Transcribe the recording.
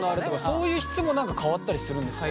そういう質も何か変わったりするんですか？